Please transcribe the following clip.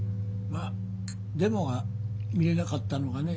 まあデモが見れなかったのがね